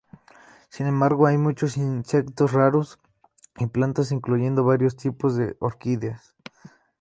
Sin embargo, hay muchos insectos raros y plantas, incluyendo varios tipos de orquídeas.